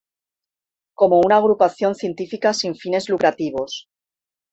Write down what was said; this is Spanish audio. Como una agrupación científica sin fines lucrativos.